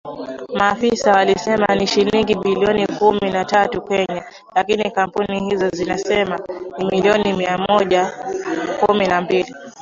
Maafisa walisema ni shilingi bilioni kumi na tatu za Kenya, lakini kampuni hizo zinasema ni milioni mia moja kumi na mbili